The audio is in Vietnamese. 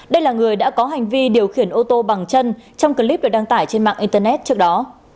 đây là người đã có hành vi điều khiển ô tô bằng chân trong clip được đăng tải trên mạng internet trước đó